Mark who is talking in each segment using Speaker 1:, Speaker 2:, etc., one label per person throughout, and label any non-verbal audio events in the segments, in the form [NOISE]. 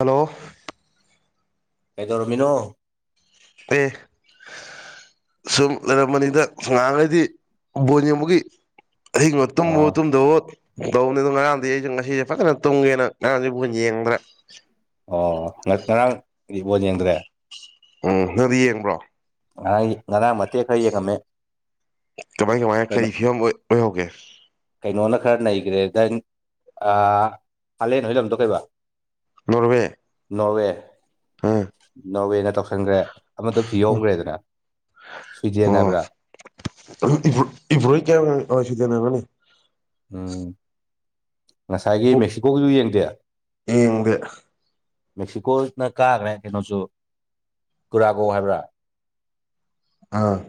Speaker 1: hello
Speaker 2: ꯀꯩꯗꯧꯔꯝꯃꯤꯅꯣ
Speaker 1: ꯄꯦ ꯁꯨꯝ ꯂꯩꯔꯝꯕꯅꯤꯗ ꯉꯥꯍꯟꯍꯩꯗꯤ ꯕꯣꯜ ꯌꯦꯡꯕꯒꯤ ꯑꯍꯤꯡꯒ ꯇꯨꯝꯕꯣ
Speaker 2: ꯑꯥ
Speaker 1: ꯇꯨꯝꯗꯕꯑꯣ ꯇꯧꯅꯤꯗꯣ ꯉꯔꯥꯡꯗꯤ ꯑꯩꯁꯨ ꯉꯁꯤꯁꯦ ꯐꯖꯅ ꯇꯨꯡꯒꯦꯅ ꯉꯔꯥꯡꯗꯤ ꯕꯣꯂ ꯌꯦꯡꯗ꯭ꯔꯦ
Speaker 2: ꯑꯣ ꯉꯔꯥꯡ ꯕꯣꯂ ꯌꯦꯡꯗ꯭ꯔꯦ
Speaker 1: ꯎꯝ ꯅꯪꯗꯤ ꯌꯦꯡꯕ꯭ꯔꯣ
Speaker 2: ꯑ ꯉꯔꯥꯡ ꯃꯠꯇꯦꯛ ꯈꯔ ꯌꯦꯡꯉꯝꯃꯦ
Speaker 1: ꯀꯃꯥꯏ ꯀꯃꯥꯏꯅ
Speaker 2: ꯀꯩꯅꯣ
Speaker 1: ꯀꯔꯤ ꯐꯤꯕꯝ ꯑꯣꯏꯍꯧꯒꯦ
Speaker 2: ꯀꯩꯅꯣꯅ ꯈꯔ ꯅꯩꯈ꯭ꯔꯦ ꯗꯦꯟ ꯍꯂꯦꯟ ꯍꯣꯏ ꯂꯝꯗꯣ ꯀꯩꯕ
Speaker 1: ꯅꯣꯔꯋꯦ
Speaker 2: ꯅꯣꯔꯋꯦ
Speaker 1: ꯑꯥ
Speaker 2: ꯅꯣꯔꯋꯦꯅ ꯇꯧꯁꯤꯟꯈ꯭ꯔꯦ ꯑꯃꯁꯦ ꯐꯤ ꯌꯣꯈ꯭ꯔꯦꯗ
Speaker 1: ꯑꯣ [UNINTELLIGIBLE]
Speaker 2: ꯎꯝ ꯉꯁꯥꯏꯒꯤ ꯃꯦꯛꯁꯤꯀꯣꯒꯤꯗꯨ ꯌꯦꯡꯗꯦ
Speaker 1: ꯌꯦꯡꯗꯦ
Speaker 2: ꯃꯦꯛꯁꯤꯀꯣꯅ ꯀꯥꯈ꯭ꯔꯦ ꯀꯩꯅꯣꯁꯨ ꯀꯨꯔꯥꯒꯣ ꯍꯥꯏꯕ꯭ꯔꯥ
Speaker 1: ꯑ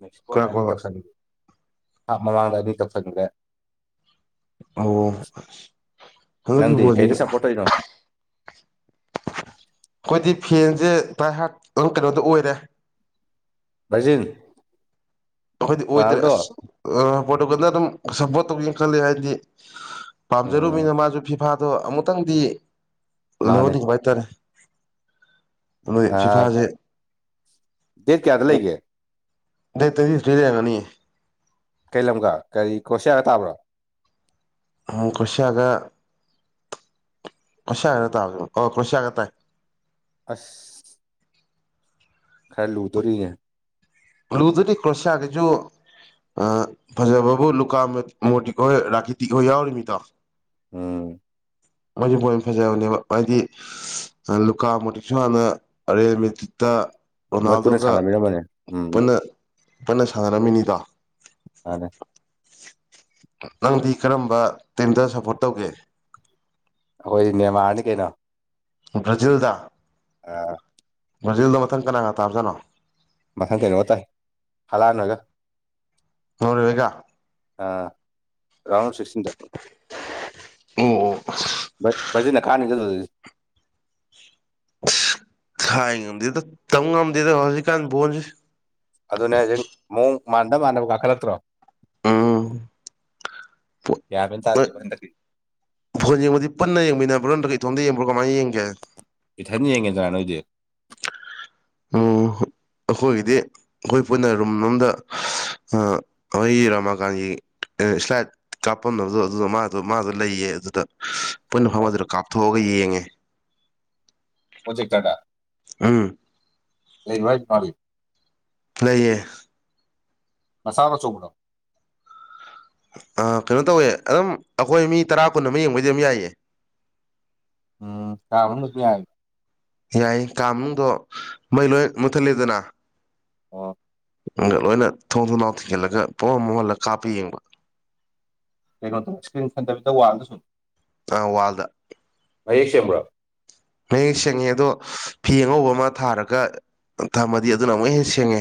Speaker 2: ꯃꯦꯛꯁꯤꯀꯣꯅ ꯑꯅꯤ ꯇꯧꯁꯟꯒꯔꯦ ꯍꯥꯞ ꯃꯃꯥꯡꯗ ꯑꯅꯤ ꯇꯧꯁꯟꯒꯔꯦ
Speaker 1: ꯑꯣ
Speaker 2: ꯅꯪꯗꯤ ꯀꯩꯗ ꯁꯞꯄꯣꯔꯠ
Speaker 1: [UNINTELLIGIBLE]
Speaker 2: ꯇꯧꯔꯤꯅꯣ
Speaker 1: ꯑꯩꯈꯣꯏꯗꯤ ꯐꯦꯟꯁꯦ [UNINTELLIGIBLE] ꯑꯗꯨ ꯀꯩꯅꯣꯗ ꯑꯣꯏꯔꯦ
Speaker 2: ꯕꯔꯖꯤꯟ
Speaker 1: ꯑꯩꯈꯣꯏꯗꯤ ꯑꯣꯏꯗ꯭ꯔꯦ ꯑꯁ ꯄꯣꯇꯨꯒꯜꯗ ꯑꯗꯨꯝ ꯁꯞꯄꯣꯔꯠ ꯇꯧꯒꯦꯅ ꯈꯜꯂꯤ ꯍꯥꯏꯗꯤ
Speaker 2: ꯎꯝ
Speaker 1: ꯄꯥꯝꯖꯔꯨꯅꯤꯅ ꯃꯥꯁꯨ ꯐꯤꯐꯥꯗꯣ ꯑꯃꯨꯛꯇꯪꯗꯤ
Speaker 2: ꯃꯥꯅꯦ
Speaker 1: ꯂꯧꯍꯟꯅꯤꯡꯕ ꯍꯥꯏꯇꯥꯔꯦ [UNINTELLIGIBLE]
Speaker 2: ꯑꯥ
Speaker 1: ꯐꯤꯐꯥꯁꯦ
Speaker 2: ꯗꯦꯠ ꯀꯌꯥꯗ ꯂꯩꯒꯦ
Speaker 1: ꯗꯦꯠ ꯇꯨꯏꯟꯇꯤ ꯊꯔ꯭ꯤ ꯂꯩꯔꯒꯅꯤꯌꯦ
Speaker 2: ꯀꯩ ꯂꯝꯒ ꯀꯔꯤ ꯀꯔꯣꯁꯤꯌꯥꯒ ꯇꯥꯕ꯭ꯔꯣ
Speaker 1: ꯎꯝ ꯀꯔ꯭ꯑꯣꯁꯤꯌꯥꯒ ꯁꯤꯌꯥꯒꯔꯥ ꯇꯥꯕꯗꯨꯕꯣ ꯑꯣ ꯀ꯭ꯔꯣꯁꯤꯌꯥꯒ ꯇꯥꯏ
Speaker 2: ꯑꯁ ꯈꯔꯂꯨꯗꯣꯔꯤꯒ
Speaker 1: ꯂꯨꯗꯗꯤ ꯀ꯭ꯔꯣꯁꯤꯌꯥꯒꯤꯁꯨ ꯐꯖꯕꯕꯨ ꯂꯨꯀꯥ ꯃꯣꯔꯇꯤꯛ ꯍꯣꯏ ꯔꯥꯀꯤꯇꯤꯛ ꯍꯣꯏ ꯌꯥꯎꯔꯤꯃꯤꯗꯣ
Speaker 2: ꯎꯝ
Speaker 1: ꯃꯣꯏꯖꯨ ꯕꯣꯟ ꯌꯥꯝ ꯐꯖꯕꯅꯦꯕ ꯍꯥꯏꯗꯤ ꯂꯨꯀꯥ ꯃꯣꯇꯤꯛꯁꯨ ꯍꯥꯟꯅ ꯔꯦꯑꯜ ꯃꯦꯇ꯭ꯔꯤꯠꯇ
Speaker 2: ꯃꯣꯏ ꯄꯨꯟꯅ
Speaker 1: ꯔꯣꯅꯥꯜꯗꯣꯒ
Speaker 2: ꯁꯥꯟꯅꯃꯤꯔꯝꯕꯅꯦ ꯎꯝ ꯎꯝ
Speaker 1: ꯄꯨꯟꯅ ꯄꯨꯟꯅ ꯁꯥꯟꯅꯔꯝꯃꯤꯅꯤꯗꯣ
Speaker 2: [UNINTELLIGIBLE]
Speaker 1: ꯅꯪꯗꯤ ꯀꯔꯝꯕ ꯇꯤꯝꯗ ꯁꯞꯄꯣꯔꯠ ꯇꯧꯒꯦ
Speaker 2: ꯑꯩꯈꯣꯏ ꯅꯦꯃꯥꯔꯅꯤ ꯀꯩꯅꯣ
Speaker 1: ꯕꯔꯖꯤꯜꯗ
Speaker 2: ꯑ
Speaker 1: ꯕ꯭ꯔꯥꯖꯤꯜꯗ ꯃꯊꯪ ꯀꯅꯥꯒ ꯇꯥꯕꯖꯥꯅꯣ
Speaker 2: ꯃꯊꯪ ꯀꯩꯅꯣ ꯇꯥꯏ ꯍꯂꯥꯑꯟ ꯍꯣꯏꯒ
Speaker 1: ꯅꯣꯔꯋꯦꯒ
Speaker 2: ꯑ ꯔꯥꯎꯟ ꯑꯣꯐ ꯁꯤꯛꯁꯇꯤꯟꯗ
Speaker 1: ꯑꯣ
Speaker 2: ꯕ ꯕꯔꯖꯤꯟꯅ ꯀꯥꯟꯅꯤꯗ ꯗꯨꯗꯗꯤ
Speaker 1: ꯊꯥꯏ ꯉꯝꯗꯦꯗ ꯇꯝ ꯉꯝꯗꯦꯗ ꯍꯧꯖꯤꯛꯀꯥꯟ ꯕꯣꯟꯁꯤ
Speaker 2: ꯑꯗꯨꯅꯦ ꯍꯢꯖꯤ ꯃꯑꯣꯡ ꯃꯥꯟꯗ ꯃꯥꯟꯗꯕ ꯀꯥꯈꯠꯂꯛꯇ꯭ꯔꯣ
Speaker 1: ꯄꯣꯠ
Speaker 2: ꯒ꯭ꯌꯥꯟ ꯃꯦꯟ
Speaker 1: ꯑ
Speaker 2: ꯇꯥꯗꯦꯕ ꯍꯟꯗꯛꯀꯤ
Speaker 1: ꯕꯣꯟ ꯌꯦꯡꯕꯗꯤ ꯄꯨꯟꯅ ꯌꯦꯡꯃꯤꯟꯅꯕ꯭ꯔ ꯅ꯭ꯇ꯭ꯔꯒ ꯏꯇꯣꯝꯗ ꯌꯦꯡꯕ꯭ꯔꯣ ꯀꯃꯥꯏꯅ ꯌꯦꯡꯒꯦ
Speaker 2: ꯏꯊꯟ ꯌꯦꯡꯉꯦꯗꯥ ꯅꯣꯏꯗꯤ
Speaker 1: ꯑꯣ ꯑꯩꯈꯣꯏꯒꯤꯗꯤ ꯑꯩꯈꯣꯏ ꯄꯨꯟꯅ ꯔꯨꯝ ꯑꯝꯗ ꯑ ꯑꯩꯈꯣꯏꯒꯤ ꯔꯃꯥ ꯀꯥꯟꯒꯤ ꯏꯁ꯭ꯂꯥꯏꯠ ꯀꯥꯞꯄꯝꯅꯕꯗꯣ ꯑꯗꯨꯗ ꯃꯥꯗꯣ ꯃꯥꯗꯨ ꯂꯩꯌꯦ ꯑꯗꯨꯗ ꯄꯨꯟꯅ
Speaker 2: ꯑꯣ
Speaker 1: ꯐꯝꯕꯗꯨꯗ ꯀꯥꯞꯊꯣꯛꯑꯒ ꯌꯦꯡꯉꯦ
Speaker 2: [UNINTELLIGIBLE] ꯄꯣꯖꯦꯛꯇꯔꯗ
Speaker 1: ꯎꯝ
Speaker 2: ꯂꯩꯕ꯭ꯔꯥ ꯍꯥꯢꯌꯦ ꯃꯥꯒꯤ
Speaker 1: ꯂꯩꯌꯦ
Speaker 2: ꯃꯁꯥꯔꯣ ꯑꯆꯧꯕ꯭ꯔꯣ
Speaker 1: ꯑ ꯀꯩꯅꯣ ꯇꯧꯋꯦ ꯑꯗꯨꯝ ꯑꯩꯈꯣꯏ ꯃꯤ ꯇꯔꯥ ꯀꯨꯟ ꯑꯃ ꯌꯦꯡꯕꯩꯗꯤ ꯑꯗꯨꯝ ꯌꯥꯏꯌꯦ
Speaker 2: ꯎꯝ ꯀꯥ ꯃꯅꯨꯗꯁꯨ ꯌꯥꯢ
Speaker 1: ꯌꯥꯏ ꯀꯥꯃꯅꯨꯡꯗꯣ ꯃꯩ ꯂꯣꯏ ꯃꯨꯠꯊꯠꯂꯦꯗꯅ
Speaker 2: ꯑꯣ
Speaker 1: ꯒ ꯂꯣꯏꯅ ꯊꯣꯡ ꯊꯣꯡꯅꯥꯎ ꯊꯤꯡꯖꯟꯂꯒ ꯄꯨꯡꯃꯝ ꯃꯝꯍꯜꯂ ꯀꯥꯞꯄ ꯌꯦꯡꯕ
Speaker 2: ꯀꯩꯅꯣꯗ ꯏꯁꯀ꯭ꯔꯤꯟ ꯐꯠꯇꯕꯤꯗ ꯋꯥꯜꯗ ꯁꯨꯝ
Speaker 1: ꯋꯥꯜꯗ
Speaker 2: ꯃꯌꯦꯛ ꯁꯦꯡꯕ꯭ꯔꯣ
Speaker 1: ꯃꯌꯦꯛ ꯁꯦꯡꯉꯦ ꯑꯗꯣ ꯐꯤ ꯑꯉꯧꯕ ꯑꯃ ꯊꯥꯔꯒ ꯊꯝꯃꯗꯤ ꯑꯗꯨꯅ ꯑꯃꯨꯛ ꯍꯦꯟꯅ ꯁꯦꯡꯉꯦ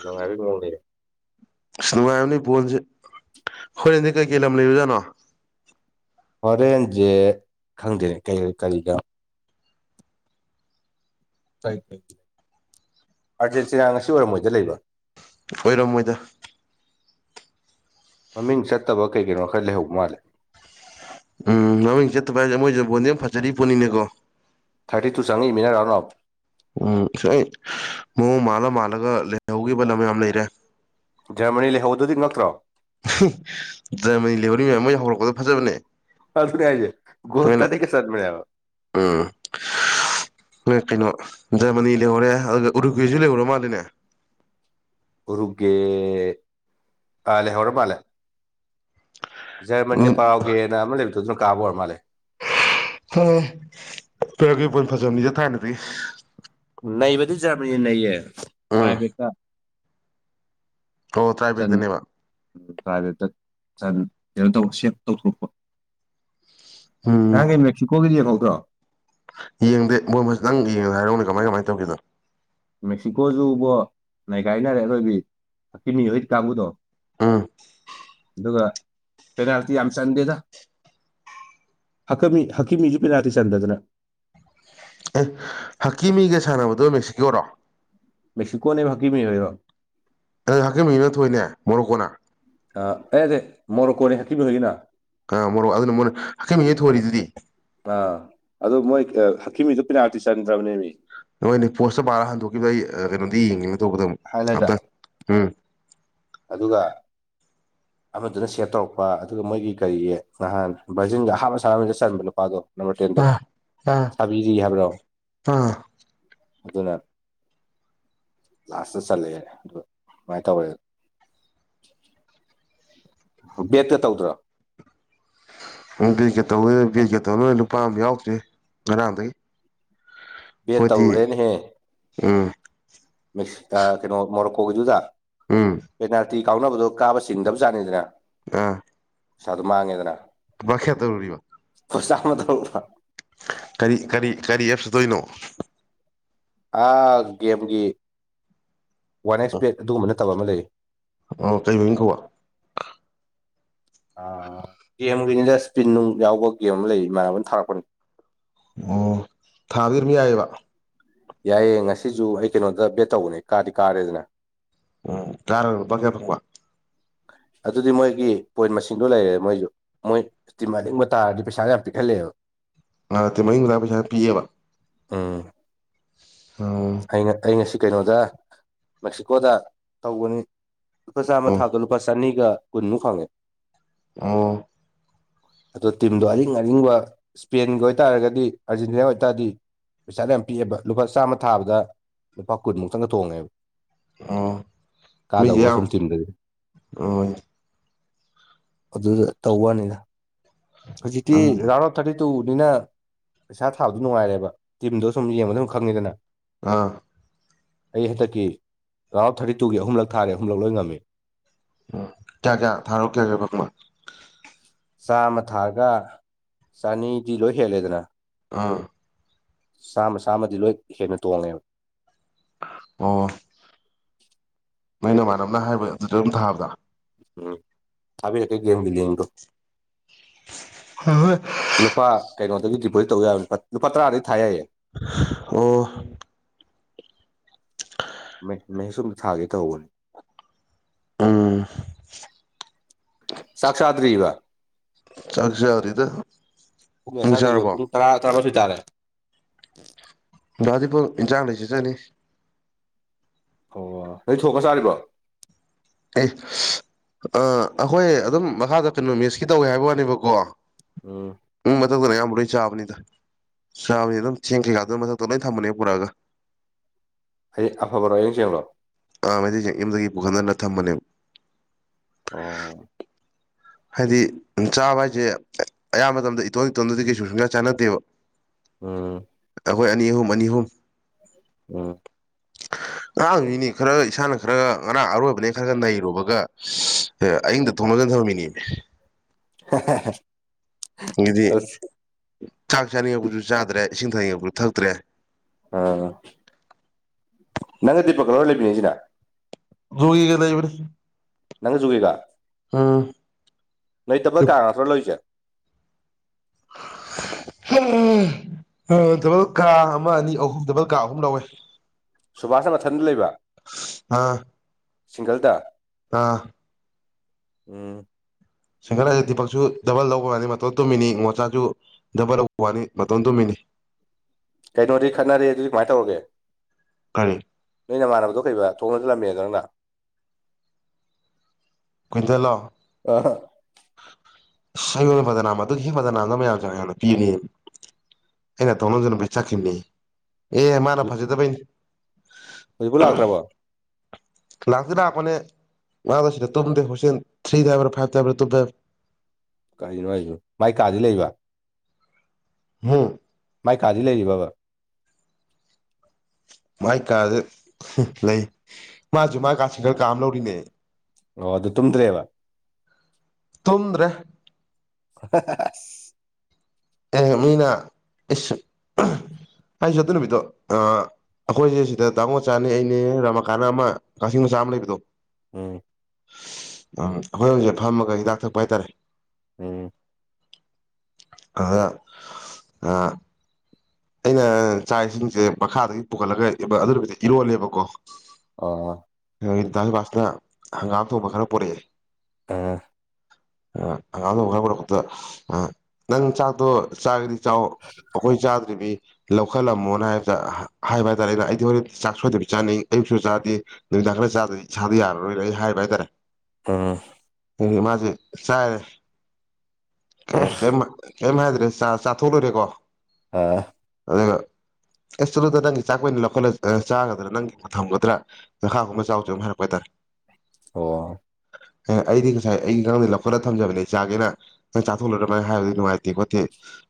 Speaker 2: ꯅꯨꯡꯉꯥꯢꯕꯩ ꯃꯋꯣꯡꯅꯤꯅꯦ
Speaker 1: ꯑꯁ ꯅꯨꯡꯉꯥꯏꯔꯝꯅꯤ ꯕꯣꯟꯁꯦ ꯍꯣꯏꯔꯦꯟꯗꯤ ꯀꯩꯀꯩ ꯂꯝ ꯂꯩꯕꯖꯥꯠꯅꯣ
Speaker 2: ꯍꯣꯔꯦꯟꯖꯦ ꯈꯪꯗꯦꯅꯦ ꯀꯩ ꯀꯔꯤꯒ ꯀꯩꯒ ꯑꯥꯔꯖꯦꯟꯇꯤꯅꯥ ꯉꯁꯤ ꯑꯣꯏꯔꯃꯣꯏꯗ ꯂꯩꯕ
Speaker 1: ꯑꯣꯏꯔꯝꯃꯣꯏꯗ
Speaker 2: ꯃꯃꯤꯡ ꯆꯠꯇꯕ ꯀꯩ ꯀꯅꯣ ꯈꯔ ꯂꯩꯍꯧꯕ ꯃꯥꯜꯂꯦ
Speaker 1: ꯎꯝ ꯃꯃꯤꯡ ꯆꯠꯇꯕ ꯍꯥꯏꯁꯦ ꯃꯣꯏꯁꯦ ꯕꯣꯟꯗꯤ ꯑꯗꯨꯝ ꯐꯖꯔꯤ ꯄꯣꯠꯅꯤꯅꯦꯀꯣ
Speaker 2: ꯊꯥꯔꯇꯤ ꯇꯨ ꯆꯪꯉꯛꯏꯃꯤꯅ ꯔꯥꯎꯟ ꯑꯐ
Speaker 1: ꯎꯝ ꯉ ꯑꯩ ꯃꯑꯣꯡ ꯃꯥꯜꯂ ꯃꯥꯜꯂꯒ ꯂꯩꯍꯧꯈꯤꯕ ꯂꯝ ꯌꯥꯝ ꯂꯩꯔꯦ
Speaker 2: ꯖꯔꯃꯅꯤ ꯂꯩꯍꯧꯕꯗꯨꯗꯤ ꯉꯛꯇ꯭ꯔꯣ
Speaker 1: ꯖꯔꯃꯅꯤ ꯂꯩꯍꯧꯔꯤ ꯃꯌꯥꯝ ꯃꯣꯏ ꯍꯧꯔꯛꯄꯗꯣ ꯐꯖꯕꯅꯦ
Speaker 2: ꯑꯗꯨꯅꯦ ꯍꯥꯢꯖꯦ ꯒꯣꯜ
Speaker 1: ꯅꯣꯏꯅ
Speaker 2: ꯇꯔꯦꯠꯀ ꯆꯟꯕꯅꯦ ꯍꯥꯢꯕ
Speaker 1: ꯎꯝ ꯍꯣꯏ ꯀꯩꯅꯣ ꯖꯔꯃꯅꯤ ꯂꯩꯍꯧꯔꯦ ꯑꯗꯨꯒ ꯎꯔꯨꯒꯦꯁꯨ ꯂꯩꯍꯧꯔꯣ ꯃꯥꯜꯂꯦꯅꯦ
Speaker 2: ꯎꯔꯨꯒꯦ ꯑ ꯂꯩꯍꯧꯔ ꯃꯥꯜꯂꯦ ꯖꯔꯃꯟꯅꯅ
Speaker 1: ꯎꯝ
Speaker 2: ꯄꯔꯥꯎꯒꯦꯅ ꯑꯃ ꯂꯩꯕꯗꯣ ꯑꯗꯨꯅ ꯀꯥꯕ ꯑꯣꯏꯔ ꯃꯥꯜꯂꯦ
Speaker 1: ꯍꯣꯏ-ꯍꯣꯏ ꯄꯦꯔꯨꯒꯦ ꯕꯣꯟ ꯐꯖꯕꯅꯤꯗ ꯊꯥꯏꯅꯗꯒꯤ
Speaker 2: ꯅꯩꯕꯗꯤ ꯖꯔꯃꯤꯅꯤ ꯅꯩꯌꯦ
Speaker 1: ꯎꯝ
Speaker 2: ꯇ꯭ꯔꯥꯏꯚꯦꯛꯇ
Speaker 1: ꯑꯣ ꯇ꯭ꯔꯥꯏꯕꯦꯛ ꯇꯅꯦꯕ
Speaker 2: ꯗ꯭ꯔꯥꯏꯚꯦꯠꯇ ꯆꯟ ꯀꯩꯅꯣꯇꯧ ꯁꯦꯞ ꯇꯧꯊꯣꯔꯛꯄ ꯉꯔꯥꯡꯒꯤ ꯃꯦꯛꯁꯤꯀꯣꯒꯤ ꯌꯦꯡꯍꯧꯗ꯭ꯔꯣ
Speaker 1: ꯌꯦꯡꯗꯦ ꯃꯣꯏ ꯕꯖ ꯆꯪꯒꯤ ꯍꯥꯅ ꯀꯃꯥꯏ ꯀꯃꯥꯏꯅ ꯇꯧꯒꯦꯗꯣ
Speaker 2: ꯃꯦꯛꯁꯤꯀꯣꯖꯨꯕꯣ ꯅꯩꯒꯥꯏꯅꯔꯦ ꯑꯔꯣꯏꯕꯤ ꯍꯀꯤꯃꯤ ꯍꯣꯢ ꯀꯥꯡꯕꯨꯗꯣ
Speaker 1: ꯎꯝ
Speaker 2: ꯑꯗꯨꯒ ꯄꯦꯅꯥꯜꯇꯤ ꯌꯥꯝ ꯆꯟꯗꯦꯗ ꯍꯀ ꯃꯤ ꯍꯀꯤꯃꯤꯁꯨ ꯄꯦꯅꯥꯜꯇꯤ ꯆꯟꯗꯗꯅ
Speaker 1: ꯑꯦ ꯍꯛꯀꯤ ꯃꯤꯒ ꯁꯥꯟꯅꯕꯗꯣ ꯃꯦꯛꯁꯤꯀꯣꯔꯣ
Speaker 2: ꯃꯦꯛꯁꯤꯀꯣ ꯅꯅꯦꯕ ꯍꯥꯀꯤ ꯃꯤ ꯑꯣꯏꯔꯣ
Speaker 1: ꯑꯗꯨ ꯍꯛꯆꯦꯜꯅ ꯊꯣꯛꯣꯏꯏꯅꯦ ꯃꯣꯔꯣꯛ ꯀꯣꯟꯅ
Speaker 2: ꯑ ꯑꯦ ꯗꯦ ꯃꯣꯔꯣ ꯀꯣꯔꯤ ꯍꯥꯀꯤꯕꯤ ꯍꯒꯒꯤꯅ
Speaker 1: ꯑꯥ ꯃꯣꯔꯣꯛ ꯑꯗꯨꯅ ꯃꯣꯏꯅ ꯍꯈꯩ ꯃꯤꯉꯩ ꯊꯣꯔꯤꯗꯨꯗꯤ
Speaker 2: ꯑꯥ ꯑꯗꯨ ꯃꯣꯏ ꯍꯛꯀꯤꯃꯤꯗꯨ ꯄꯤꯅꯥꯇꯤ ꯆꯟꯗ꯭ꯔꯕꯅꯦꯃꯤ
Speaker 1: ꯍꯣꯏꯅꯦ ꯄꯣꯁꯇ ꯄꯥꯜꯂ ꯍꯟꯗꯣꯛꯈꯤꯕꯩ ꯑ ꯀꯩꯅꯣꯗꯤ ꯌꯦꯡꯉꯤꯅꯦ ꯑꯇꯣꯞꯄꯗ ꯑꯃꯨꯛ
Speaker 2: ꯍꯥꯏꯂꯥꯏꯠꯇ
Speaker 1: ꯑꯥꯞꯇꯔ ꯎꯝ
Speaker 2: ꯑꯗꯨꯒ ꯑꯃꯗꯨꯅ ꯁꯦꯞ ꯇꯧꯔꯛꯄ ꯑꯗꯨꯒ ꯃꯣꯏꯒꯤ ꯀꯔꯤꯒꯤ ꯅꯍꯥꯟ ꯚꯔꯖꯤꯟꯒ ꯑꯍꯞ ꯑꯁꯥꯗ ꯆꯟꯕ ꯅꯨꯄꯥꯗꯣ ꯅꯝꯕꯔ ꯇꯦꯟꯗꯣ
Speaker 1: ꯑꯥ ꯑꯥ
Speaker 2: ꯁꯥꯕꯤꯔꯤ ꯍꯥꯏꯕ꯭ꯔꯣ
Speaker 1: ꯑꯥ
Speaker 2: ꯑꯗꯨꯅ ꯂꯥꯁꯇ ꯆꯠꯂꯛꯑꯦꯔ ꯑꯗꯨꯒ ꯁꯨꯃꯥꯏꯅ ꯇꯧꯋꯦ [UNINTELLIGIBLE] ꯕꯦꯛꯇ ꯇꯧꯗ꯭ꯔꯣ
Speaker 1: ꯕꯦꯁꯀꯦꯠ ꯇꯧ ꯕꯦꯀꯦꯠ ꯇꯧꯔꯣꯏ ꯂꯨꯄꯥ ꯑꯃ ꯌꯥꯎꯗ꯭ꯔꯤ ꯉꯔꯥꯡꯗꯒꯤ
Speaker 2: ꯕꯦꯠ
Speaker 1: ꯍꯗꯤ
Speaker 2: ꯇꯧꯔꯨꯔꯦꯅꯦꯍꯦ
Speaker 1: ꯎꯝ
Speaker 2: ꯀꯩꯅꯣ ꯃꯣꯔꯣꯀꯣꯒꯤꯗꯨꯗ
Speaker 1: ꯎꯝ
Speaker 2: ꯄꯦꯅꯥꯜꯇꯤ ꯀꯥꯎꯅꯕꯗꯣ ꯀꯥꯕ ꯆꯤꯡꯗꯕꯖꯥꯠꯅꯤꯗꯅ
Speaker 1: ꯑ
Speaker 2: ꯁ ꯑꯗꯨ ꯃꯥꯡꯉꯦꯗꯅ
Speaker 1: ꯨꯡꯃ ꯀ ꯈꯦꯗꯧꯔꯤꯕꯕ
Speaker 2: ꯄꯁꯥꯃꯗꯧ
Speaker 1: ꯀꯔꯤ ꯀꯔꯤ ꯀꯔꯤ ꯑꯦꯞꯁ ꯆꯠꯇꯣꯏꯅꯣ
Speaker 2: ꯒꯦꯝꯒꯤ ꯋꯥꯟ ꯑꯦꯛꯁ ꯕꯦꯠ ꯑꯗꯨꯒꯨꯝꯕ ꯅꯠꯇꯕ ꯑꯃ ꯂꯩ
Speaker 1: ꯑꯣ ꯀꯩ ꯃꯃꯤꯡ ꯀꯧꯕꯥ
Speaker 2: ꯑ ꯒꯦꯝꯒꯤꯅꯤꯗ ꯏꯁꯄꯤꯟ ꯅꯨꯡ ꯌꯥꯎꯕ ꯒꯦꯝ ꯑꯃ ꯂꯩ ꯃꯥꯟꯅꯕꯅꯥ ꯊꯥꯔꯛꯄꯅꯤ
Speaker 1: ꯑꯣ ꯊꯥꯕꯤꯔꯝ ꯌꯥꯏꯑꯕ
Speaker 2: ꯌꯥꯏꯌꯦ ꯉꯁꯤꯁꯨ ꯑꯩ ꯀꯩꯅꯣꯗ ꯕꯦꯠ ꯇꯧꯕꯅꯦ ꯀꯥꯗꯤ ꯀꯥꯔꯦꯗꯅꯥ
Speaker 1: ꯎꯝ ꯀꯥꯔꯨꯄꯥ ꯀꯌꯥ ꯐꯪꯕ
Speaker 2: ꯑꯗꯨꯗꯤ ꯃꯣꯏꯒꯤ ꯄꯣꯏꯟ ꯃꯁꯤꯡꯗꯣ ꯂꯩꯔꯦ ꯃꯣꯏꯁꯨ ꯃꯣꯏ ꯏꯁ ꯑꯔꯤꯛꯕ ꯇꯔꯗꯤ ꯄꯁꯥ ꯌꯥꯝ ꯄꯤꯛꯍꯂꯦꯕ
Speaker 1: ꯉꯥ ꯅꯠꯇꯦ ꯃꯔꯤꯨꯋꯥꯏ ꯄꯩꯁꯥ ꯄꯤꯌꯦꯕ
Speaker 2: ꯑꯥ
Speaker 1: ꯎꯟ
Speaker 2: ꯑꯩ ꯑꯩ ꯉꯁꯤ ꯀꯩꯅꯣꯗ ꯃꯦꯛꯁꯤꯀꯣꯗ ꯇꯧꯕꯅꯤ ꯂꯨꯄꯥ ꯆꯥꯝꯃ
Speaker 1: ꯑꯣ
Speaker 2: ꯊꯥꯕꯗꯥ ꯂꯨꯄꯥ ꯆꯅꯤꯒ ꯀꯨꯟꯃꯨꯛ ꯐꯪꯉꯦ
Speaker 1: ꯎꯟ
Speaker 2: [UNINTELLIGIBLE] ꯑꯗꯣ ꯇꯤꯝꯗꯣ ꯑꯔꯤꯡ ꯑꯔꯤꯡꯕ ꯁꯄꯦꯟꯒꯤ ꯑꯣꯏꯇꯥꯔꯗꯤ ꯑꯥꯔꯖꯦꯟꯇꯤꯅꯥ ꯑꯣꯏꯇꯥꯔꯗꯤ ꯄꯩꯁꯥꯗꯣ ꯌꯥꯝ ꯄꯤꯛꯑꯦꯕ ꯂꯨꯄꯥ ꯆꯥꯝꯃ ꯊꯥꯕꯗ ꯂꯨꯄꯥ ꯀꯨꯟꯃꯨꯛ ꯆꯪꯒ ꯊꯣꯡꯉꯦꯕ
Speaker 1: ꯑꯣ ꯃꯤꯁꯦ
Speaker 2: ꯀꯥꯗꯧꯕ
Speaker 1: ꯌꯥꯝ
Speaker 2: ꯁꯨꯝ ꯆꯤꯟꯗꯗꯤ ꯑꯗꯨꯗ ꯇꯧꯕꯋꯥꯅꯤꯗ ꯍꯧꯖꯤꯛꯇꯤ ꯊꯥꯔꯇꯤ ꯇꯨꯅꯤꯅ ꯄꯩꯁꯥ ꯊꯥꯕꯗꯣ ꯅꯨꯡꯉꯥꯏꯔꯦꯕ ꯇꯤꯝꯗꯣ ꯁꯨꯝ ꯌꯦꯡꯕ ꯑꯗꯨꯝ ꯈꯪꯉꯤꯗꯅ
Speaker 1: ꯑꯥ
Speaker 2: ꯑꯩ ꯍꯟꯗꯛꯀꯤ ꯔꯥꯎꯟ ꯊꯥꯔꯇꯤ ꯇꯨꯒꯤ ꯑꯍꯨꯝ ꯂꯛ ꯊꯥꯔꯦ ꯑꯍꯨꯝꯂꯛ ꯂꯣꯏ ꯉꯝꯃꯤ
Speaker 1: ꯎꯝ ꯀꯌꯥ ꯀꯌꯥ ꯊꯥꯔꯣ ꯀꯌꯥ ꯀꯌꯥ ꯐꯃ
Speaker 2: ꯆꯥꯝꯃ ꯊꯥꯔꯒ ꯆꯅꯤ ꯗꯤ ꯂꯣꯏ ꯍꯦꯜꯂꯦꯗꯅ
Speaker 1: ꯑꯥ
Speaker 2: ꯆꯥꯝꯃ ꯁꯥꯥꯝꯃꯗꯤ ꯂꯣꯏ ꯍꯦꯟꯅ ꯇꯣꯡ ꯉꯦꯕ
Speaker 1: ꯑꯣ ꯅꯪ ꯅꯃꯅꯕ ꯅ ꯍꯥꯏꯕ ꯑꯗꯨꯗ ꯑꯗꯨꯝ ꯊꯥꯕꯗ
Speaker 2: ꯎꯝ ꯊꯥꯕꯤ ꯑꯩ ꯀꯩ ꯒꯝꯕꯤ ꯂꯤꯒꯣ
Speaker 1: [UNINTELLIGIBLE]
Speaker 2: ꯂꯨꯄꯥ ꯀꯩꯅꯣꯗꯒꯤ ꯗꯤꯄꯣꯖꯤꯠ ꯇꯧ ꯌꯥꯕ ꯂꯨꯄꯥ ꯇꯔꯥꯗꯒꯤꯩ ꯊꯥ ꯌꯥꯏꯌꯦ
Speaker 1: ꯑꯣ
Speaker 2: ꯃꯩ ꯃꯩꯁꯨꯝ ꯊꯥꯒꯦ ꯇꯧꯕꯅꯦ
Speaker 1: ꯎꯝ
Speaker 2: ꯆꯥꯛ ꯆꯥ ꯗꯔꯤꯕ
Speaker 1: ꯆꯥꯛ ꯆꯗꯔꯤꯗ
Speaker 2: ꯄꯨꯡ ꯃꯁꯥꯗꯧꯕ ꯄꯨꯡ ꯇꯔꯥ ꯔꯥꯃꯁꯨꯣꯏ ꯇꯥꯔꯦ
Speaker 1: ꯗꯑꯩꯄꯨꯔ ꯆꯥꯗꯩꯁꯤ ꯆꯅꯤ
Speaker 2: ꯑꯣ ꯅ ꯊꯣꯛ ꯉꯥ ꯆꯥꯔꯤꯕꯣ
Speaker 1: ꯑꯦ ꯑꯩꯈꯣꯏ ꯑꯗꯨꯝ ꯃꯈꯥꯗ ꯀꯩꯅꯣꯃꯤꯁꯀꯤ ꯇꯧꯋꯦ ꯍꯥꯏꯕ ꯋꯥꯅꯦꯕ ꯀꯣ
Speaker 2: ꯎꯟ
Speaker 1: ꯎꯝ ꯃꯊꯛꯇꯅ ꯑꯌꯥꯝꯕ ꯂꯣꯏ ꯆꯥꯕꯅꯤꯗ ꯆꯥꯕꯅꯤ ꯑꯗꯨꯝ ꯊꯦꯡ ꯀꯩꯀꯥ ꯑꯗꯨꯅ ꯃꯊꯛꯇ ꯂꯣꯏ ꯊꯝꯃꯅꯦ ꯄꯨꯔꯛ ꯑꯒ
Speaker 2: ꯍꯥꯏꯗꯤ ꯑꯐꯕꯔꯣ ꯌꯦꯌꯦꯡ ꯆꯦꯡ ꯂꯣ
Speaker 1: ꯑꯥ ꯃꯩꯇꯩ ꯆꯦꯡ ꯌꯨꯝꯗꯒꯤ ꯄꯨꯈꯟꯗꯅ ꯊꯝꯕꯅꯦꯕ
Speaker 2: ꯑꯣ
Speaker 1: ꯍꯥꯏꯗꯤ ꯆꯥꯕ ꯍꯥꯏꯁꯦ ꯑꯌꯥꯝꯕ ꯃꯇꯝꯗ ꯏꯇꯣꯟꯜ ꯏꯇꯣꯟꯗꯗꯤ ꯀꯩ ꯁꯨꯡꯌꯥ ꯆꯥꯟꯅꯗꯦꯕ
Speaker 2: ꯎꯝ
Speaker 1: ꯑꯩꯈꯣꯏ ꯑꯅꯤ ꯑꯍꯨꯝ ꯑꯅꯤ ꯑꯍꯨꯝ
Speaker 2: ꯎꯝ
Speaker 1: ꯉꯔꯥꯡꯗꯤꯅꯦ ꯈꯔ ꯏꯁꯥꯅ ꯈꯔꯒ ꯉꯔꯥꯡ ꯑꯔꯣꯏꯕꯅꯦ ꯈꯔꯒ ꯅꯩꯔꯨꯕꯒ ꯑꯦ ꯑꯍꯤꯡꯗ ꯊꯣꯡ ꯂꯣꯟꯖꯟ ꯊꯃꯝꯃꯤꯅꯤꯃꯦ
Speaker 2: [UNINTELLIGIBLE]
Speaker 1: ꯑꯗꯤ
Speaker 2: ꯑꯁ
Speaker 1: ꯆꯥꯛ ꯆꯥꯅꯤꯡꯉꯛꯄꯁꯨ ꯆꯥꯗ꯭ꯔꯦ ꯏꯁꯤꯡ ꯊꯛꯅꯤꯡꯉꯛꯄꯁꯨ ꯊꯛꯇ꯭ꯔꯦ
Speaker 2: ꯑꯥ ꯅꯪꯒ ꯗꯤꯄꯛꯀꯔꯣ ꯂꯩꯃꯤꯟꯅꯩꯁꯤꯅ
Speaker 1: ꯖꯣꯒꯤꯒ ꯂꯩꯕꯅꯦ
Speaker 2: ꯅꯪꯒ ꯖꯣꯒꯤꯒ
Speaker 1: ꯎꯝ
Speaker 2: ꯂꯩꯇꯕ ꯀꯥ ꯉꯠꯇꯔꯥ ꯂꯧꯔꯤꯁꯦ
Speaker 1: [UNINTELLIGIBLE] ꯗꯕꯜ ꯀꯥ ꯑꯃ ꯑꯅꯤ ꯑꯍꯨꯝ ꯗꯕꯜ ꯀꯥ ꯑꯍꯨꯝ ꯂꯧꯋꯦ
Speaker 2: ꯁꯨꯕꯥꯁꯅ ꯃꯊꯟꯗ ꯂꯩꯕ꯭ꯔꯥ
Speaker 1: ꯑꯥ
Speaker 2: ꯎꯝ
Speaker 1: ꯁꯤꯡꯒꯜ ꯍꯥꯏꯁꯦ ꯗꯤꯄꯛꯁꯨ ꯗꯕꯜ ꯂꯧꯕ ꯋꯥꯅꯦ ꯃꯇꯣꯟ ꯇꯨꯝꯃꯤꯅꯤ ꯉꯣꯆꯥꯁꯨ ꯗꯕꯜ ꯂꯧ ꯋꯥꯅꯤ ꯃꯇꯣꯟ ꯇꯨꯝꯃꯤꯅꯤ
Speaker 2: ꯀꯩꯅꯣꯗꯤ ꯈꯠꯅꯔꯦ ꯗꯨꯗꯤ ꯀꯃꯥꯏꯅ ꯇꯧꯔꯒꯦ
Speaker 1: ꯀꯔꯤ
Speaker 2: ꯅꯣꯏ ꯃꯥꯟꯅꯕꯗꯣ ꯀꯩꯕ ꯊꯣꯡ ꯂꯣꯟꯖꯜꯂꯝꯃꯦꯗꯣ ꯅꯪꯅ
Speaker 1: ꯀ꯭ꯋꯤꯟꯇꯟꯂꯣ ꯏꯁ ꯑꯩꯉꯣꯟꯗ ꯕꯗꯅꯥꯝ ꯑꯗꯨꯒꯤ ꯍꯦꯛ ꯕꯗꯅꯥꯝꯗꯣ ꯃꯌꯥꯝ ꯆꯪꯉ ꯑꯩꯉꯣꯟꯗ ꯄꯤꯕꯅꯦ ꯑꯩꯅ ꯊꯣꯡ ꯂꯣꯟꯖꯜꯂꯝꯕꯩ ꯆꯠꯈꯤꯕꯅꯦ ꯑꯦ ꯃꯥꯅ ꯐꯖꯗꯕꯩꯅꯤ
Speaker 2: ꯍꯧꯖꯤꯛꯐꯥꯎ ꯂꯥꯛꯇ꯭ꯔꯕꯣ
Speaker 1: ꯂꯥꯛꯇꯤ ꯂꯥꯛꯄꯅꯦ ꯃꯥꯗꯣ ꯁꯤꯗ ꯇꯨꯝꯗꯦ ꯍꯣꯏꯇꯦꯟ ꯊ꯭ꯔꯤꯗ ꯍꯥꯏꯕ꯭ꯔꯥ ꯐꯥꯏꯚꯇ ꯍꯥꯏꯕ꯭ꯔꯥ ꯇꯨꯝꯃꯦ ꯍꯥꯏꯝ
Speaker 2: ꯀꯔꯤꯅꯣ ꯍꯥꯏꯁꯤꯕꯨ ꯃꯥꯏ ꯀꯥꯗꯤ ꯂꯩꯕ
Speaker 1: ꯍꯨꯡ
Speaker 2: ꯃꯥꯏ ꯀꯥꯗꯤ ꯂꯩꯔꯤꯕꯕ
Speaker 1: ꯃꯥꯥꯏ ꯀꯥꯁꯦ ꯂꯩ ꯃꯥꯁꯨ ꯃꯥꯏ ꯀꯥꯥ ꯁꯤꯡꯒꯜ ꯀꯥ ꯑꯃ ꯂꯧꯔꯤꯅꯦ
Speaker 2: ꯑꯣ ꯑꯗꯨ ꯇꯨꯝꯗ꯭ꯔꯦꯕ
Speaker 1: ꯇꯨꯝꯗ꯭ꯔꯦ
Speaker 2: [UNINTELLIGIBLE]
Speaker 1: ꯑꯦ ꯃꯤꯅ ꯏꯁ ꯑꯩꯁꯨ ꯑꯗꯨ ꯅꯨꯃꯤꯠꯇꯣ ꯑ ꯑꯩꯈꯣꯏꯁꯦ ꯁꯤꯗ ꯗꯥ ꯉꯣꯆꯥꯅꯦ ꯑꯩꯅꯦ ꯔꯥꯃꯀꯥꯟꯅ ꯑꯃ ꯀꯛꯆꯤꯡ ꯃꯆꯥ ꯑꯃ ꯂꯩꯕꯗꯣ
Speaker 2: ꯎꯝ
Speaker 1: ꯎꯝ ꯑꯩꯈꯣꯏ ꯑꯍꯨꯝꯁꯦ ꯐꯝꯃꯒ ꯍꯤꯗꯥꯛ ꯊꯛꯄ ꯍꯥꯏꯇꯥꯔꯦ
Speaker 2: ꯎꯝ
Speaker 1: ꯑꯗꯨꯗ ꯑ ꯑꯩꯅ ꯆꯥꯛ ꯏꯁꯤꯡꯁꯦ ꯃꯈꯥꯗꯒꯤ ꯄꯨꯈꯠꯂꯒ [UNINTELLIGIBLE] ꯑꯗꯨ ꯅꯨꯃꯤꯠꯇꯣ ꯏꯔꯣꯜꯂꯦꯕꯀꯣ
Speaker 2: ꯑ
Speaker 1: ꯗꯥꯁꯨꯕꯥꯁꯅ ꯍꯪꯒꯥꯝ ꯊꯣꯡꯕ ꯈꯔ ꯄꯨꯔꯛꯑꯦ
Speaker 2: ꯑꯥ
Speaker 1: ꯑ ꯍꯪꯒꯥꯝ ꯊꯣꯡꯕ ꯈꯔ ꯄꯨꯔꯛꯄꯗꯨꯗ ꯑ ꯅꯪ ꯆꯥꯛꯇꯣ ꯆꯥꯒꯦꯗꯤ ꯆꯥꯎ ꯑꯩꯈꯣꯏ ꯆꯥ ꯗ꯭ꯔꯤ ꯂꯧꯈꯠꯂꯝꯃꯣꯅ ꯍꯥꯏꯕꯗ ꯍꯥꯏꯕ ꯍꯥꯏꯇꯥꯔꯦ ꯑꯩꯅ ꯑꯩꯗꯤ ꯍꯣꯔꯦꯟ ꯆꯥꯛ ꯁꯣꯏꯗꯕꯤ ꯆꯥꯅꯤ ꯑꯌꯨꯛꯁꯨ ꯆꯥꯗꯦ ꯅꯨꯃꯤꯗꯥꯡ ꯈꯔ ꯆꯥꯗ꯭ꯔꯗꯤ ꯏꯁꯥꯗꯣ ꯌꯥꯔꯔꯣꯏꯅ ꯑꯩ ꯍꯥꯏꯕ ꯍꯥꯏꯇꯥꯔꯦ
Speaker 2: ꯑ
Speaker 1: ꯃꯥꯁꯦ ꯆꯥꯏꯔꯦ ꯀꯩꯝ ꯀꯩꯝ ꯍꯥꯏꯗ꯭ꯔꯦ ꯆꯥ ꯆꯥꯊꯣꯛ ꯂꯣꯏꯔꯦꯀꯣ
Speaker 2: ꯑꯥ
Speaker 1: ꯑꯗꯨꯒ ꯑꯦꯁ ꯆꯂꯣꯗ ꯅꯪꯒꯤ ꯆꯥꯛꯄꯨ ꯑꯩꯅ ꯂꯧꯈꯠꯂ ꯆꯥꯒꯗ꯭ꯔꯥ ꯅꯪꯒꯤꯕꯨ ꯊꯝꯒꯗ꯭ꯔꯥ ꯃꯈꯥ ꯀꯨꯝꯃ ꯆꯥꯎꯆꯣ ꯑꯃꯨꯛ ꯍꯥꯏꯔꯛꯄ ꯍꯥꯏꯇꯥꯔꯦ
Speaker 2: ꯑꯣ
Speaker 1: ꯑꯦ ꯑꯩꯗꯤ ꯉꯁꯥꯏ ꯑꯩꯒꯤ ꯏꯉꯥꯡꯗ ꯂꯧꯈꯠꯂ ꯊꯝꯖꯕꯅꯦ ꯆꯥꯒꯦꯅ ꯅꯪ ꯆꯥꯊꯣꯛꯂꯨꯔꯃꯥꯏꯅ ꯍꯥꯏꯕꯗꯨꯗꯤ ꯅꯨꯡꯉꯥꯏꯇꯦ ꯈꯣꯠꯇꯦ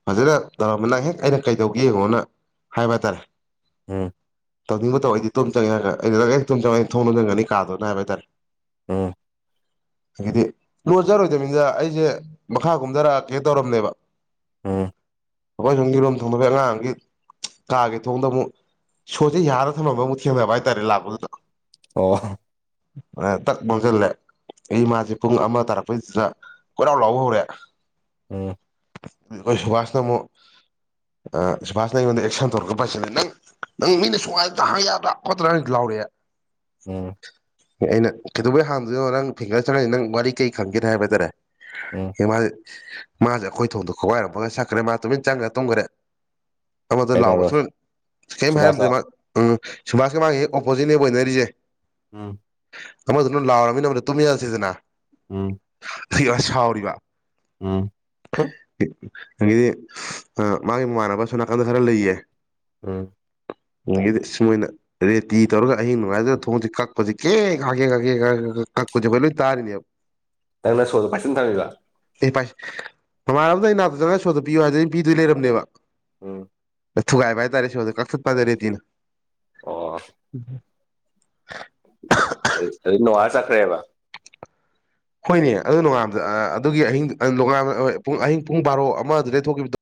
Speaker 1: ꯐꯖꯅ ꯇꯧꯔꯝꯕ ꯅꯪ ꯍꯦꯛ ꯑꯩꯅ ꯀꯩꯗꯧꯒꯦ ꯌꯦꯡꯉꯣꯅ ꯍꯥꯏꯕ ꯍꯥꯏꯇꯥꯔꯦ
Speaker 2: ꯎꯝ
Speaker 1: ꯇꯧꯅꯤꯡꯕ ꯇꯧ ꯑꯩꯗꯤ ꯇꯨꯝ ꯆꯪꯉ ꯍꯥꯏꯔꯒ ꯑꯩꯅ ꯂꯪꯩꯅ ꯇꯨꯝ ꯆꯪꯉ ꯑꯩꯅꯣꯡꯅ ꯆꯪꯒꯅꯤ ꯀꯥꯗꯅ ꯍꯥꯏꯇꯥꯔꯦ
Speaker 2: ꯎꯥ
Speaker 1: ꯍꯥꯏꯗꯤ ꯂꯣꯟꯖꯔꯣꯏꯗꯃꯤꯅꯤꯗ ꯑꯩꯁꯦ ꯃꯈꯥ ꯀꯨꯝꯊꯔꯛꯑꯀꯦ ꯇꯧꯔꯝꯅꯦꯕ
Speaker 2: ꯑꯣ
Speaker 1: ꯑꯩꯈꯣꯏ ꯁꯣꯝꯒꯤꯔꯣꯝ ꯊꯣꯡꯅꯕꯒꯤ ꯑꯉꯥꯡꯒꯤ ꯀꯥꯒꯤ ꯊꯣꯡꯗ ꯑꯃꯨꯛ ꯁꯣꯁꯦ ꯌꯥꯔꯒ ꯊꯝꯃꯝꯕ ꯑꯃꯨꯛ ꯊꯦꯡꯅꯕ ꯍꯥꯏꯇꯥꯥꯔꯦ ꯂꯥꯛꯄꯗꯨꯗ
Speaker 2: ꯑꯣ
Speaker 1: ꯑ ꯊꯛꯄ ꯆꯜꯂꯦ ꯑꯩ ꯃꯥꯁꯦ ꯄꯨꯡ ꯑꯃ ꯇꯥꯔꯛꯄꯩꯗ ꯀꯣꯏꯔꯥꯎ ꯂꯥꯎꯕ ꯍꯧꯔꯛꯑꯦ
Speaker 2: ꯑꯣꯝ
Speaker 1: ꯑꯩꯈꯣꯏ ꯁꯨꯕꯥꯁꯅ ꯑꯃꯣ ꯑ ꯁꯁ ꯕꯥꯅ ꯌꯣꯟ ꯑꯦꯛꯁꯟ ꯇꯧꯣꯔꯒꯄꯕꯥꯁꯦ ꯂꯩ ꯅꯪ ꯅꯪ ꯃꯤꯅ ꯁꯨꯉꯥꯏꯗ ꯍꯥꯏ ꯌꯥꯗ꯭ꯔꯥ ꯈꯣꯠꯇ꯭ꯔꯥꯪꯥꯎꯔꯦ
Speaker 2: ꯎꯝ
Speaker 1: ꯑꯩꯅ ꯀꯩꯗꯧꯕꯩ ꯍꯥꯡꯗꯣꯏꯅꯣ ꯅꯪ ꯐꯤꯡꯒꯔ ꯆꯪꯉꯁꯤ ꯅꯪ ꯋꯥꯔꯤ ꯀꯩ ꯈꯪꯒꯦ ꯍꯥꯏꯕ ꯇꯥꯔꯦ
Speaker 2: ꯎꯝ
Speaker 1: ꯃꯥꯁꯦ ꯃꯥꯁꯦ ꯑꯩꯈꯣꯏ ꯊꯣꯡꯗꯣ ꯈꯣꯡꯋꯥꯏꯔꯝꯃꯒ ꯁꯛꯈ꯭ꯔꯦ ꯃꯥ ꯇꯨꯃꯤꯟ ꯆꯪꯈ꯭ꯔꯦ ꯇꯨꯝꯈꯔꯦ ꯑꯃꯗ
Speaker 2: ꯀꯩꯅꯣꯔꯣ
Speaker 1: ꯂꯥꯎꯕꯁꯨꯅꯩꯝ ꯍꯥꯏꯔꯕꯗꯦ
Speaker 2: ꯁꯨꯕꯥꯁꯂꯣ
Speaker 1: ꯃꯥ ꯁꯨꯕꯥꯁꯀꯤ ꯃꯥꯥꯡ ꯍꯦꯛ ꯑꯣꯄꯣꯖꯤꯠꯅꯦꯕ ꯑꯣꯏꯅꯔꯤꯁꯦ
Speaker 2: ꯎꯝ
Speaker 1: ꯑꯃꯗ ꯅꯣꯏ ꯂꯥꯎꯔꯕꯃꯤꯅ ꯑꯃꯗ ꯇꯨꯝꯃꯤꯟꯅꯁꯤꯁꯤꯅ
Speaker 2: ꯑ
Speaker 1: ꯁꯤ ꯁꯥꯎꯔꯤꯕ
Speaker 2: ꯎꯝ
Speaker 1: ꯍꯥꯏꯗꯤ ꯃꯥꯒꯤ ꯃꯃꯥꯟꯅꯕ ꯁꯣ ꯅꯥꯀꯟꯗ ꯈꯔ ꯂꯩꯌꯦ
Speaker 2: ꯎꯝ
Speaker 1: ꯗꯤ ꯁꯨꯃꯥꯏꯅ ꯔꯦꯇꯤ ꯇꯧꯔꯒ ꯑꯍꯤꯡ ꯅꯨꯡꯉꯥꯏꯗꯅ ꯊꯣꯡꯁꯤꯦ ꯀꯛꯄꯁꯤꯦ ꯀꯦ ꯀꯛꯀꯦ ꯀꯥꯀꯦ ꯀꯛꯄꯁꯦ ꯑꯩꯈꯣꯏ ꯂꯣꯏ ꯇꯥꯔꯤꯅꯦꯕ
Speaker 2: ꯇꯅ ꯁꯣꯄꯁꯅ ꯊꯥꯡꯕꯤꯒ
Speaker 1: ꯑꯦ ꯄꯥꯏ ꯃꯃꯥꯟ ꯑꯃꯗ ꯑꯩ ꯅꯥꯗ ꯆꯪꯒ ꯁꯣꯗ ꯄꯤꯌꯨ ꯍꯥꯏꯗꯩꯅ ꯄꯤꯗꯣꯏ ꯂꯩꯔꯝꯅꯦꯕ
Speaker 2: ꯑꯣ
Speaker 1: ꯑ ꯊꯨꯒꯥꯏꯕ ꯍꯥꯏꯇꯥꯔꯦ ꯁꯣꯗ ꯀꯛꯊꯠ ꯄꯥꯖꯔꯦꯇꯤꯅ
Speaker 2: ꯑꯣ ꯑꯗꯨ ꯅꯣꯋꯥꯥ ꯆꯈ꯭ꯔꯦꯕ
Speaker 1: ꯍꯣꯏꯅꯦ ꯑꯗꯨ ꯅꯣꯡꯉꯥꯟꯕꯗ ꯑꯗꯨꯒꯤ ꯑꯍꯤꯡꯉ ꯄꯨꯡ ꯑꯍꯤꯡ ꯄꯨꯡ ꯕꯥꯔꯣ ꯑꯃ ꯑꯗꯨꯗꯩ ꯊꯣꯛꯈꯤꯕꯗꯣ